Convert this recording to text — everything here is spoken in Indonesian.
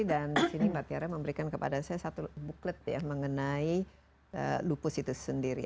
dan di sini mbak tiara memberikan kepada saya satu buklet ya mengenai lupus itu sendiri